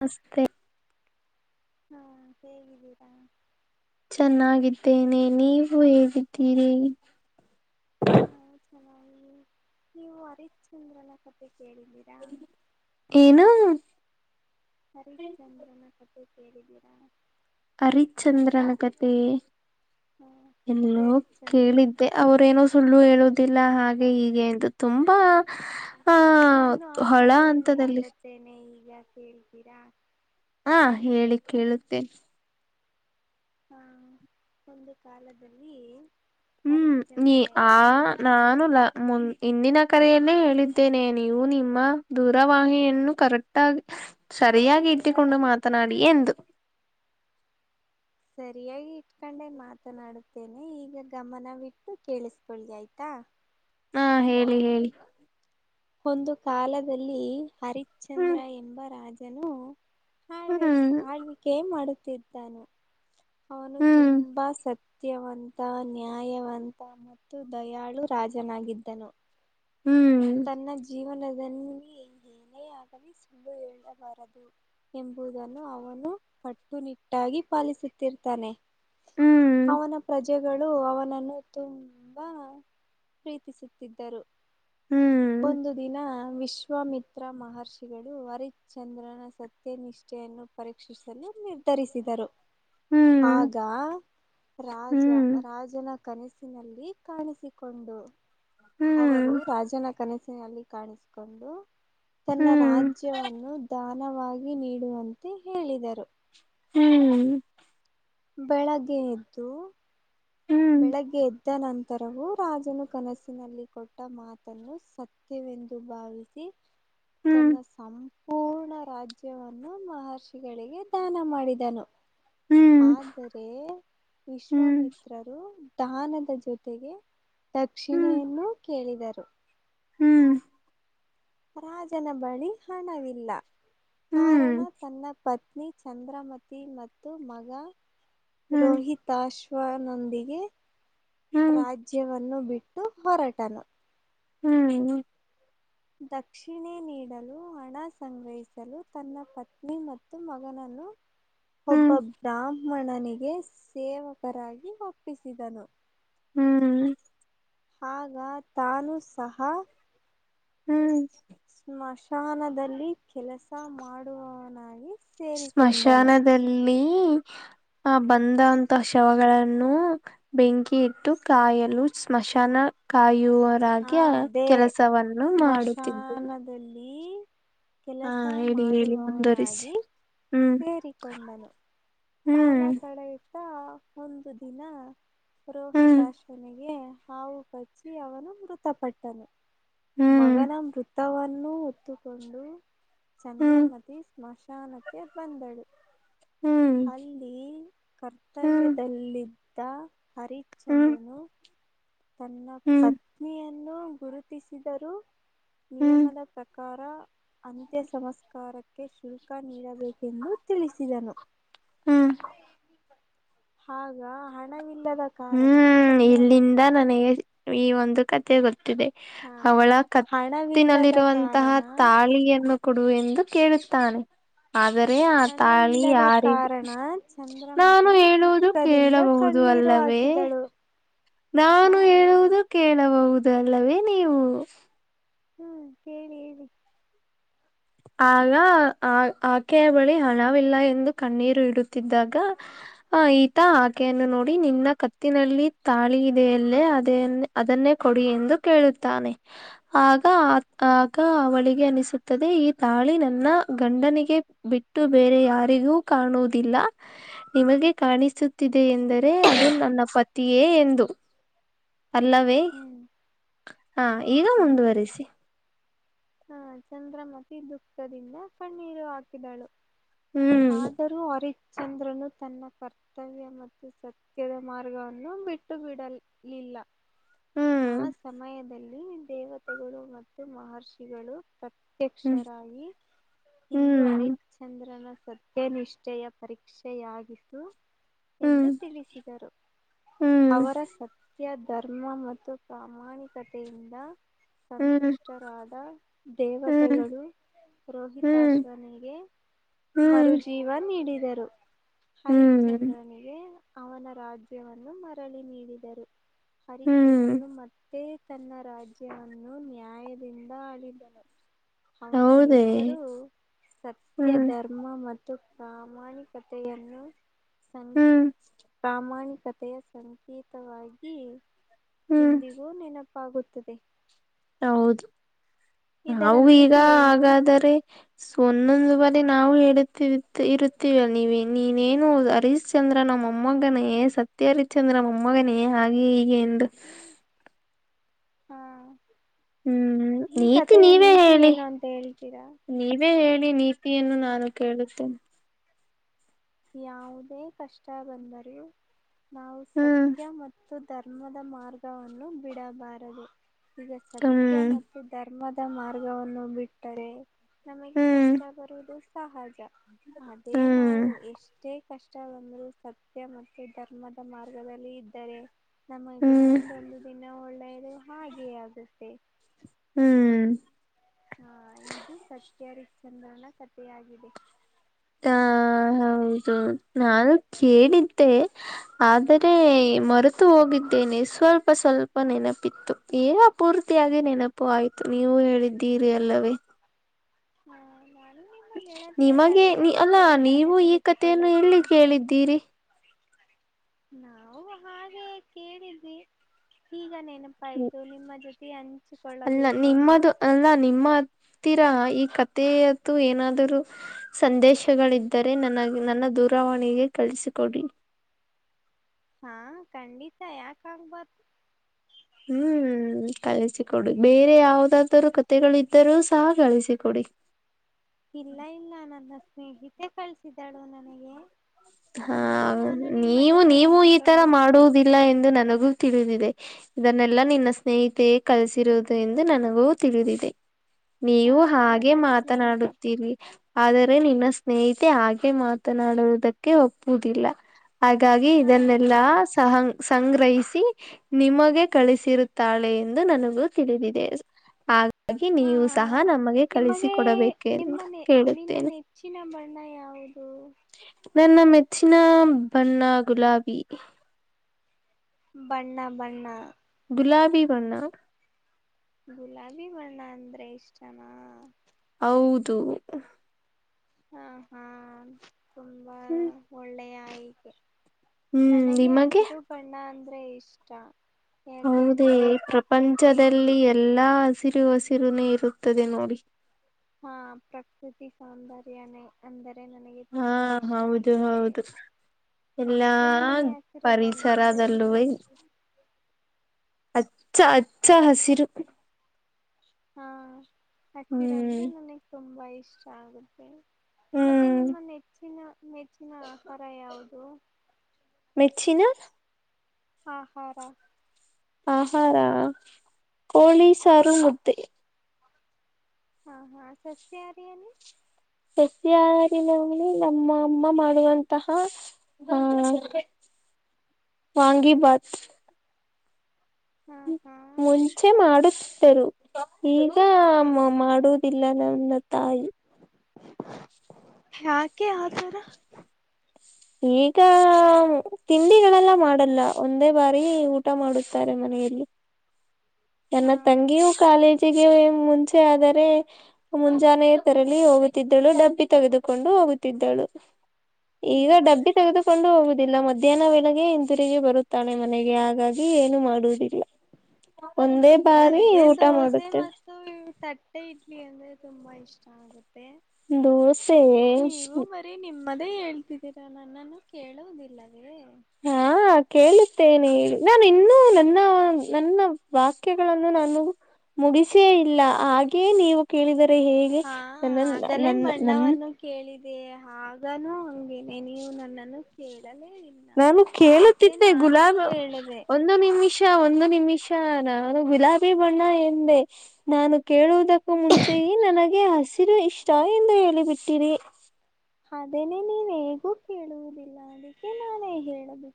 ನಸ್ತೆ ಹಾ ಹೇಗಿದ್ದೀರಾ ಚೆನ್ನಾಗಿದ್ದೇನೆ ನೀವು ಹೇಗಿದ್ದೀರಿ ನಾವು ಚೆನ್ನಾಗಿ ನೀವು ಅರ ಚಂದ್ರನ ಕಬೇಕು ಕೇಳಿದ್ದೀರಾ ಏನು ಹರಿಶ್ಚಂದ್ರನ ಕ ಕೇಳಿದ್ದೀರಾ ಹರಿಶ್ಚಂದ್ರನಕಥೆ ಹಾ ಎಲ್ಲೋ ಸತ್ಯ ಹರಿಶ್ಚಂದ್ರ ಕೇಳಿದ್ದೆ ಅವರೇನೋ ಸುಳ್ಳು ಹೇಳೋದು ಗೊಲ್ಲ ಹಾಗೆ ಇಗೆ ಎಂದು ತುಂಬಾ ಆಹ ನಾನು ಆ ಹೊಳ ಅಂತದಲ್ಲಿ ಹೇಳ್ತೀರಾ ಹಾ ಹೇಳಿ ಕೇಳುತ್ತೇ ಹಾ ಒಂದು ಕಾಲದಲ್ಲಿ ಹ್ಮ್ ನೀ ಹರಿಶ್ಚಂದ್ರ ಎಂಬ ಆ ರಾಜ ನಾನು ಲ ಮು ಇಂದಿನ ಕರೆಯಲ್ಲೇ ಹೇಳಿದ್ದೇನೆ ನೀವು ನಿಮ್ಮ ದೂರವಣಿಯನ್ನು ಕರೆಕ್ಟ್ ಆಗ ಸರಿಯಾಗಿ ಇಟ್ಟಿಕೊಂಡು ಮಾತನಾಡಿ ಎಂದು [inaudible] ಸರಿಯಾಗಿ ಇಟ್ಕೊಂಡೆ ಮಾತನಾಡುತ್ತೇನೆ ಈಗ ಗಮನ ಬಿಟ್ಟು ಕೇಳಿಸಕೊಳ್ಳಿ ಆಯ್ತಾ ಹ ಹಾ ಹೇಳಿ ಹೇಳಿ ಒಂದು ಕಾಲದಲ್ಲಿ ಹರಿಶ್ಚಂದ್ರ ಹ್ಮ್ ಎಂಬ ರಾಜನು ಆಳ್ ಹ್ಮ್ ಆಳ್ವಿಕೆ ಮಾಡುತ್ತಿದ್ದಾನು ಅವನು ಹ್ಮ್ ತುಂಬಾ ಸತ್ಯವಂತ ನ್ಯಾಯವಂತ ಮತ್ತು ದಯಾಳು ರಾಜನಾಗಿದ್ದನು ಹ್ಮ್ ತನ್ನ ಜೀವನದಲ್ಲಿ ಮನೆಯಾಗಲಿ ಸುಳ್ಳು ಹೇಳಬಾರದು ಎಂಬುದನ್ನು ಅವನು ಕಟ್ಟುನಿಟ್ಟಾಗಿ ಪಾಲಿಸುತ್ತಿರ್ತಾನೆ ಹ್ಮ್ ಅವನ ಪ್ರಜೆ ಪ್ರಜೆಗಳು ಅವನನ್ನು ತುಂಬಾ ಪ್ರೀತಿಸುತ್ತಿದ್ದರು ಹ್ಮ್ ಒಂದು ದಿನ ವಿಶ್ವಾಮಿತ್ರ ಮಹರ್ಷಿಗಳು ಹರಿಶ್ಚಂದ್ರನ ಸತ್ಯನಿಷ್ಠೆಯನ್ನು ಪರೀಕ್ಷಿಸಲು ನಿರ್ಧರಿಸಿದರು ಹ್ಮ್ ಆಗ ರಾಜ ಹ್ಮ್ ರಾಜನ ಕನಸಿನಲ್ಲಿ ಕಾಣಿಸಿಕೊಂಡು ಹ್ಮ್ ಅವರು ರಾಜನ ಕನಸಿನಲ್ಲಿ ಕಾಣಿಸಿಕೊಂಡು ತನ್ನ ಹ್ಮ್ ರಾಜ್ಯವನ್ನು ದಾನವಾಗಿ ನೀಡುವಂತೆ ಹೇಳಿದರು ಹ್ಮ್ ಬೆಳಗ್ಗೆ ಎದ್ದು ಹ್ಮ್ ಬೆಳಗ್ಗೆ ಎದ್ದು ಇದ ನಂತರವೂ ರಾಜನು ಕನಸಿನಲ್ಲಿ ಕೊಟ್ಟ ಮಾತನ್ನು ಸತ್ಯವೆಂದು ಭಾವಿಸಿ ಹ್ಮ್ ತನ್ನ ಸಾಮ್ರಾಜ ಪೂರ್ಣ ರಾಜ್ಯವನ್ನು ಮಹರ್ಷಿಗಳಿಗೆ ದಾನ ಮಾಡಿದನು ಹ್ಮ್ ಆದರೆ ಹ್ಮ್ ಹ್ಮ್ ವಿಶ್ವಮಿತ್ರ ದಾನದ ಜೊತೆಗೆ ದಕ್ಷಿಣೆಯನ್ನು ಕೇಳಿದರು ಹ್ಮ್ ರಾಜನ ಬಳಿ ಹಣವಿಲ್ಲ ಹ್ಮ್ ಕಾರಣ ತನ್ನ ಪತ್ ಪತ್ನಿ ಚಂದ್ರಮತಿ ಮತ್ತು ಮಗ ಹ್ಮ್ ರೋಹಿತಾಶ್ ವಾಹನದೊಂದಿಗೆ ಹ್ಮ್ ರಾಜ್ಯವನ್ನು ಬಿಟ್ಟು ಹೊರಟನು ಹ್ಮ್ ದಕ್ಷಿಣೆ ನೀಡಲು ಹಣ ಸಂಗ್ರಹಿಸಲು ತನ್ನ ಪತ್ನಿ ಮತ್ತು ಮಗನನ್ನು ಒಬ್ಬ ಹ್ಮ್ ಬ್ರಾ ಬ್ರಾಹ್ಮಣನಿಗೆ ಸೇವಕರಾಗಿ ಒಪ್ಪಿಸಿದನು ಹ್ಮ್ ಆಗ ತಾನು ಸಹ ಹ್ಮ್ ಸ್ಮಶಾನದಲ್ಲಿ ಕೆಲಸ ಮಾಡುವವನಾಗಿ ಸೇರಿಕೊಂಡನು. ಸ್ಮಶಾನದಲ್ಲಿ ಆ ಬಂದಂತ ಶವಗಳನ್ನು ಬೆಂಕಿ ಇಟ್ಟು ಕಾಯಲು ಸ್ಮಶಾನ ಹಾ ಕಾಯುವರಾಗಿ ಅದೇ ಕೆಲಸವನ್ನು ಮಾಡುತ್ತಿದ್ದರು. [inaudible] ಸ್ಮಶಾನದಲ್ಲಿ ಹಾ ಕೆಲಸ ಹೇಳಿ ಹೇಳಿ ಮುಂದುವರಿಸಿ ಮಾಡುವವನಾಗಿ ಹ್ಮ್ ಸೇರಿಕೊಂಡನು. ಕಾಲ ಹ್ಮ್ ಕಳೆಯಿತ ತಾ ಒಂದು ದಿನ ಹ್ಮ್ ರೋಹಿತಾಶ್ವನಿಗೆ. ಹಾವು ಕಚ್ಚಿ ಅವನು ಮೃತಪಟ್ಟನು ಹ್ಮ್ ಮಗನ ಮೃತವನ್ನು. ನ್ನು ಹೊತ್ತುಕೊಂಡು ಹ್ಮ್ ಚಂದ್ರಮತಿ ಸ್ಮಶಾನಕ್ಕೆ ಬಂದಳು. ಹ್ಮ್ ಅಲ್ಲಿ ಹ್ಮ್ ಕರ್ತವ್ಯದಲ್ಲಿದ್ ದ್ದ ಹ್ಮ್ ಹರಿಶ್ಚಂದ್ರನು ತನ್ನ ಹ್ಮ್ ಪತ್ ಪತ್ನಿಯನ್ನು ಗುರುತಿಸಿದರುೂ ಹ್ಮ್ ನಿಯಮದ ಪ್ರಕಾರ. ಅಂತ್ಯಸಂಸ್ಕಾರಕ್ಕೆ ಶುಲ್ಕ ನೀಡಬೇಕೆಂದು ತಿಳಿಸಿದನು. ಹ್ಮ್. ಹಾಗ ಹಣವ ಹ್ಮ್ ಇಲ್ಲಿಂದ ನನಗೆ ಈ ಒಂದು ಕತೆ ಗೊತ್ತ ತ್ತಿದೆ ಹಾ ಅವಳ ಹಣವಿಲ್ಲದ ಕತ್ತಿನಲ್ಲಿರುವಂತಹ ಕಾರಣ ತಾಳಿಯನ್ನು. ಕೊಡುವೆ ಎಂದು ಕೇಳುತ್ತಾನೆ. ಆದರೆ ಆ ತಾಳಿ ಹಣವಿಲ್ಲದ ಯಾರಿ ಕಾರಣ ನಾನು ಚಂದ್ರಮತಿ ಹೇಳುವುದು ಕೇಳಬಹುದು. ಅಲ್ಲವೇ. ಇದಳು. ನಾನು ಹೇಳುವುದು ಕೇಳಬಹುದಲ್ಲವೇ ನೀವು. ಹ್ಮ್ ಹೇಳಿ ಹೇಳಿ. ಆಗ ಆ ಆಕೆಯ ಬಳಿ ಹಣವಿಲ್ಲ ಎಂದು ಕಣ್ಣೀರು ಇಡುತ್ತಿದ್ದಾಗ. ಹ ಈತ ಆಕೆಯನ್ನು ನೋಡಿ ನಿನ್ನ ಕತ್ತಿನಲ್ಲಿ ತಾಳಿ ಇದೆೆಯಲ್ಲೇ ಅದೇ ಅದನ್ನೇ ಕೊಡಿ ಎಂದು ಕೇಳುತ್ತಾನೆ ಆಗ ಆ ಆಗ ಅವಳಿಗೆ ಅನಿಸುತ್ತದೆ ಈ ದಾಳಿ ನನ್ನ ಗಂಡನಿಗೆ ಬಿಟ್ಟು ಬೇರೆ ಯಾರಿಗೂ ಕಾಣುವುದಿಲ್ಲ ನಿ ನಗೆ ಕಾಣಿಸುತ್ತಿದ ಎೆಂದರೆ ಅದು ನನ್ನ ಪತಿಯೇ ಎಂದು. ಅಲ್ಲವೇ ಹ್ಮ್ ಹ ಈಗ ಹಾ ಮುಂದುವರಿಸಿ. ಹಾ ಚಂದ್ರಮತಿ ದುಃಖದಿಂದ ಕಣ್ಣೀರು ಹಾಕಿದಾಳು. ಹ್ಮ್ ಹಾದರು ಹರಿ ಚಂದ್ರನು ತನ್ನ ಕರ್ತವ್ಯ ಮತ್ತು ಸತ್ಯದ ಮಾರ್ಗವನ್ನು ಬಿಟ್ಟು ಬಿಡಲಿಲ್ಲ. ಆ ಹ್ಮ್ ಸಮಯದಲ್ಲಿ ದೇವತೆಗಳು ಮತ್ತು ಮಹರ್ಷಿಗಳು. ಹ್ಮ್ ಪ್ರತ್ಯಕ್ಷರಾಗಿ ಇಂದು ಹ್ಮ್ ಹರಿಶ್ಚಂದ್ರನ. ಸತ್ಯನಿಷ್ಠೆಯ ಪರೀಕ್ಷೆಯಾಗಿತು. ಹ್ಮ್ ಎಂದು ತಿಳಿಸಿದರು ಹ್ಮ್ ಅವರ ಸತ್ಯ. ಧರ್ಮ ಮತ್ತು ಪ್ರಾಮಾಣಿಕತೆಯಿಂದ ಹ್ಮ್ ಸಂತುಷ್ಟರಾದ. ಹ್ಮ್ ದೇವತೆಗಳು ಹ್ಮ್ ರೋಹಿತಾಶ್ವನೆಗೆ. ಹ್ಮ್ ಮರುಜೀವ ನೀಡಿದರು ಹ್ಮ್ ಹರಿಶ್ಚಂದ್ರನಿಗೆ. ಅವನ ರಾಜ್ಯವನ್ನು ಮರಳಿ ನೀಡಿದರು ಹ್ಮ್ ಹರಿಶ್ಚಂದ್ರನು ಮತ್ತೆ. ತನ್ನ ರಾಜ್ಯವನ್ನು ನ್ಯಾಯದಿಂದ ಆಳಿದ್ದನು. ಅವನ ಹೌದೇ ಹೆಸರು ಸತ್ಯ ಹ್ಮ್ ಧರ್ಮ ಮತ್ತು. ಪ್ರಾಮಾಣಿಕತೆಯನ್ನು ಸಂ ಹ್ಮ್ ಪ್ರಾಮಾಣಿ ಕಥೆಯ ಸಂಕೇತವಾಗಿ ಹ್ಮ್ ಇಂದಿಗೂ ನೆನಪಾಗುತ್ತದೆ. ಹೌದು ಇದರ ನವು ಈಗ ನೀತಿ ಏನು? ಹಾಗಾದರೆ ಒಂದೊಂದುುವರೆ ಅ ನಾವು ಹೇಳುತ್ತಿ ಇರುತ್ತೀವ ನೀವ ನೀನೇನು ಹರೀಶ್ಚಂದ್ರ ಮೊಮ್ಮಗನೆ ಸತ್ಯರಿಚಂದ್ರ ಮಮ್ಮಗನೇ ಹಾಗೆ ಈಗೆಂದು. ಹ್ಮ. ಹ್ಮ್ ನೀತಿ ನೀವೇ ನೀತಿ ಹೇಳಿ ಏನು ಅಂತ ಹೇಳ್ತೀರಾ? ನೀವೇ ಹೇಳಿ. ಇಲ್ಲಿ ನೀತಿಯನ್ನು ನಾನು ಕೇಳುತ್ತೇನೆ. ಯಾವುದೇ ಕಷ್ಟ ಬಂದರೂ ನಾವು ಹ್ಮ್ ಸತ್ಯ ಮತ್ತು. ಧರ್ಮದ ಮಾರ್ಗವನ್ನು ಬಿಡಬಾರದು ಈಗ ಸತ್ಯ ಹ್ಮ್ ಮತ್ತು ಧರ್ಮದ ಮಾರ್ಗವನ್ನು ಬಿಟ್ಟರೆ ನಮಗೆ ಹ್ಮ್ ಕಷ್ಟ ಬರುವುದು ಸಹಜ ಅದೇ ಹ್ಮ್ ನಾವು ಎಷ್ಟ ಎಷ್ಟೇ ಕಷ್ಟ ಬಂದರೂ ಸತ್ಯ ಮತ್ತು ಧರ್ಮದ ಮಾರ್ಗದಲ್ಲಿ ಇದ್ದರೆ ಹ್ಮ್ ನಮಗೆ ಹ್ಮ್ ಮುಂದೊಂದು ದಿನ ಒಳ್ಳೆಯದು ಹಾಗೆ ಆಗುತ್ತೆ ಹ್ಮ್ ಹಾ ಇದು ಸತ್ಯ ಹರಿಚಂದ್ರನ ಕಥೆಯಾಗಿದೆ ಹಾ ಹೌದು ನಾನು ಕೇಳಿದ್ದೆ ಆದರೆ ಮರೆತು ಹೋಗಿದ್ದ ನೆ ಸ್ವಲ್ಪ ಸ್ವಲ್ಪ ನೆನಪಿತ್ತು ಈಗ ಪೂರ್ತಿಯಾಗಿ ನೆನಪು ಆಯ್ತು ನೀವು ಹೇಳಿದ್ದಿ ಇದೆ ಅಲ್ಲವೇ ಹ್ಮ ನಿಮಗೆ ನೀ ಅಲ್ಲಾ ನೀವು ಎಲ್ಲಾನು ಈ ಕಥೆಯನ್ನು ಎಲ್ಲಿ ತಿಳಿಸಿಕೊಳ್ಳುತ್ತೇನೆ ಕೇಳಿದ್ದೀರಿ ನಾವು ಹಾಗೆ ಕೇಳಿದ್ವಿ ಈಗನೇ ನಪಾಯಿತು ನಿಮ್ಮ ಜೋ ಅಲ್ಲ ನಿಮ್ಮದು ಅಲ್ಲ ನಿಮ್ಮದು ಹತ್ತಿರ ಈ ಕಥೆಯತು ಏನಾದರೂ ಸಂದೇಶಗಳಿದ್ದರೆ ನನಗೆ ನನ್ನ ದೂರ ವಣಿಗೆ ಕಳಿಸಿಕೊಡಿ ಹಾ ಖಂಡಿತಾ ಯಾಕ ಆಗಬಾರದು ಹ್ಮ್ ಕಲಿಸಿಕೊಡಿ ಬೇರೆ ಯಾವದಾದರೂ ಕತೆೆಗಳಿದ್ದರೂ ಸಹ ಕಳಸಿಕೊಡಿ ಇಲ್ಲ ಇಲ್ಲ ನನ್ನ ಸ್ನೇಹಿತೆ ಕಳ್ಸಿದ್ದಾಳು ನನಗೆ ಹಾ ಅದನ್ನು ನಾನು ನಿಮ್ಮ ನೀವು ಜೊತೆ ನೀವು ಈ ತರ ಹಂಚಿಕೊಂಡಿದ್ದೇನೆ ಮಾಡುವುದಿಲ್ಲ ಎಂದು ನನಗೂ ತಿಳಿದಿದೆ ಇದನ್ನೆಲ್ಲಾ ನಿನ್ನ ಸ್ನೇಹಿತೆಯೇ ಕಲಿಸಿರುವುದು ಎಂದು ನನಗೂ ತಿಳಿದಿದೆ ಹಾ ನೀವು ಹಾಗೆ ನನ್ನ ಸ್ನೇಹಿತೆ ಮಾತನಾಡುತ್ತೀರಿ ಆದರೆ ನಿನ್ನ ಸ್ನೇಹಿತೆ ಹಾಗೆ ಮಾತನಾಡುವುದಕ್ಕೆ ಒಪ್ಪುದಿಲ್ಲಾ ಹಾಗಾಗಿ ಹಾ ಇದನ್ನೆಲ್ಲಾ ಸಹ ಸಂಗ್ರಹಿಸಿ ನಿಮಗೆ ಕಳಿಸಿರುತ್ತಾಳೆ ಎಂದು ನನಗೂ ತಿಳಿದಿದೆ ಆ ಹಾಗಾಗಿ ಹಾ ನೀವು ಸಹ ನಮಗೆ ನಿಮಗೆ ಕಳಿಸಿಕೊಡಬೇಕೆಂದು ನಿಮ್ಮನೆ ಕೇಳುತ್ತೇನೆ ಹೌದು ನನ್ನ ಮೆಚ್ಚಿನ ಬಣ್ಣ ಗುಲಾಬಿ ಬಣ್ಣಾ ಬಣ್ಣಾ ಗುಲಾಬಿ ಬಣ್ಣ ಗುಲಾಬಿ ಬಣ್ಣ ಅಂದ್ರೆ ಇಷ್ಟನಾ ಹೌದು ಹಾ ಹಾ ತುಂಬಾ ಹ್ಮ್ ಒಳ್ಳೆಯಾಯಿತು ಹ್ಮ್ ನನಗೆ ನಿಮಗೆ ಹಸಿರು ಬಣ್ಣ ಅಂದ್ರೆ ಇಷ್ಟಾ ಹೌದೇ ಪ್ರಪಂಚದಲ್ಲಿ ಎಲ್ಲಾ ಹಸಿರು ಹಸಿರುನೇ ಇರುತ್ತದೆ ನೋಡಿ ಹಾ ಪ್ರಕೃತಿ ಸೌಂದರ್ಯ ನ ಅಂದರೆ ಅದು ನನಗೆ ಹಾ ತುಂಬಾ ಇಷ್ಟ ಹೌದು ಆಗುತ್ತೆ ಹೌದು ಎಲ್ಲಾ ಅದಕ್ಕೆ ನನಗೆ ಹಸಿರು ಬಣ್ಣ ಅಂದ್ರೆ ತುಂಬಾ ಪರಿಸರದಲ್ಲುವೆ ಇಷ್ಟ ಅಚ್ಚ ಅಚ್ಚ ಹಸಿರು ಹಾ ಹಸಿರ ಅಂದ್ರೆ ಹ್ಮ್ ನನಗ ತುಂಬಾ ಇಷ್ಟ ಆಗುತ್ತೆ ಮತ್ತೆ ಹ್ಮ್ ನಿಮ್ಮ ನೆಚ್ಚಿನ ನೆಚ್ಚಿನ ಆಹಾರ ಯಾವುದು ಮೆಚ್ಚಿನ ಆ ಹಾರಾ ಆಹಾರ ಕೋಳಿ ಸಾರು ಮುದ್ದೆ ಹಾ ಹಾ ಸಸ್ಯಾಹಾರೀಯಲ್ಲಿ ಸಸ್ಯಹಾರಿ ನಲೊಲಿ ನಮ್ಮ ಅಮ್ಮ ಮಾಡುವಂತಹ ಆ ಹ ವಾಂಗಿ ಬಾತ್ ಹಾ ಹಾ ಮುಂಚೆ ಮಾಡುತ್ತರು ಈಗ ಹ್ಮ್ ಮಾಡೋದಿಲ್ಲ ನನ್ನ ತಾಯಿ ಯಾಕೆ ಆ ತರ ಈಗ ತಿಂಡಿಗಳೆಲ್ಲ ಮಾಡಲ್ಲ ಒಂದೇ ಬಾರಿ ಊಟ ಮಾಡುತ್ತಾರೆ ಮನೆ ಹೇಳೇರಿ ಹಾ ನನ್ನ ತಂಗಿಯು ಕಾಲೇಜ ಚಿಗೆ ಮುಂಚೆ ಆದರೆ ಮುಂಜಾನೆ ತರಲಿ ಹೋಗುತ್ತಿದ್ದಳು ಡಬ್ಬಿ ತೆಗೆದುಕೊಂಡು ಹೋಗುತ್ತಿದ್ದಳು ಈಗ ಹ್ಮ್ ಡಬ್ಬಿ ತೆಗೆದುಕೊಂಡು ಹೋಗ ಮಧ್ಯಾಹ್ನ ವಳಗೆ ಹಂತಿರುಗ ಬರುತ್ತಾಳೆ ಮನೆಗೆ ಹಾಗಾಗಿ ಏನು ಮಾಡುವುದಿಲ್ಲ ಒಂದೇ ಬಾರಿ ನನಗೆ ಊಟ ದೋಸೆ ಮಾಡುತ್ತೆ ಮತ್ತು ತಟ್ಟೆ ಇಡ್ಲಿ ಅಂದ್ರೆ ತುಂಬಾ ಇಷ್ಟ ಆಗುತ್ತೆ ದೋಸೆ ಮದೆ ಹೇಳ್ತಿದ್ದೀರಾ ನನ್ನನ್ನು ಕೇಳೋುದಿಲ್ಲ ಹಾ ಕೇಳಿ ತ್ತೇನೆ ನಾನು ಇನ್ನುೂ ನನ್ನ ನನ್ನ ವಾಕ್ಯಗಳನ್ನು ನಾನು ಮುಗಿಸೇ ಇಲ್ಲ ಹಾಗೆ ನೀವು ಕೇಳಿದ ಹೇಗೆ ಹಾ ನನ್ನ ನನ್ನ ನನ್ ಅದೆ ಆದನೂ ಹಂಗೇನೆ ನೀವು ನನ್ನನ್ನು ಕೇಳಿ ನಾನು ಕೇಳುತ್ತಿದ್ದೆ ನಾನೇ ಗುಲಾಬಿ ಹೇಳಿದೆ ಒಂದು ನಿಮಿಷ ಒಂದು ನಿಮಿಷ ನಾನು ಗುಲಾಬಿ ಬಣ್ಣ ಎಂದೆ ನಾನು ಕೇಳುವುದಕ್ಕೂ ಮುಂಚೆಯ ನನಗೆ ಆಸೆ ಸಿರು ಇಷ್ಟ ಎಂದ ಹೇಳಿ ಬಿಿಟ್ಟಿರಿ ಅದನೇ ನೀನ ಹೇಗೂ ಕೇಳುವುದಿಲ್ಲ ಅದಕ್ಕೆ ನಾನೇ ಹೇಳಬೇಕು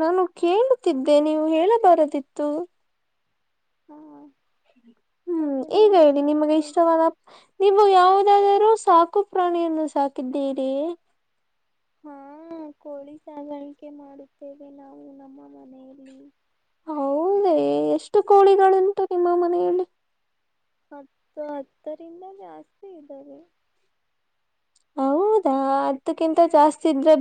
ನಾನು ಕೇಳುತ್ತಿದ್ದೆ ನೀವು ಹೇಳಬಾರದಿತ್ತು ಹ್ಮ ಹ್ಮ್ ಈಗ ಹೇಳಿ ನಿಮಗೆ ಇಷ್ಟವಾದ ನೀವು ಯಾವುದಾದರೂ ಸಾಕು ಪ್ರಾಣಿಯನ್ನು ಸಾಕಿದ್ದೀರಿ ಹಾ ಕೋಳಿ ಸಾಗಾಣಿಕೆ ಮಾಡುತ್ತೇವೆ ನಾವು ನಮ್ಮ ಮನೆಯಲ್ಲಿ ಹೌದ ಎಷ್ಟು ಕೋಳಿಗಳುಂಟು ನಿಮ್ಮ ಮನೆಯಲ್ಲಿ ಹತ್ತು ಹತ್ತರಿಂದ ಜಾಸ್ತಿ ಇದ್ದಾವ ಹೌದಾ ಹತ್ತಕ್ಕಿಂತ ಜಾಸ್ತಿ ಇದ್ರೆ